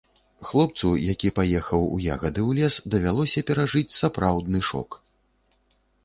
Хлопцу, які паехаў у ягады ў лес, давялося перажыць сапраўдны шок.